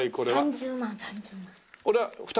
３０万３０万。